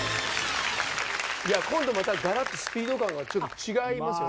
今度またがらっとスピード感がちょっと違いますよね。